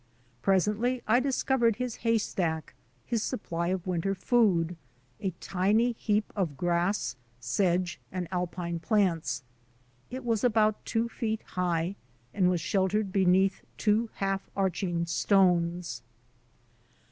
Presently I discovered his haystack — his supply of winter food — a tiny heap of grass, sedge, and alpine plants. It was about two feet high and was sheltered beneath two half arching stones.